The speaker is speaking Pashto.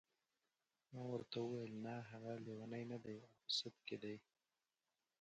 ما ورته وویل نه هغه لیونی نه دی او په سد کې دی.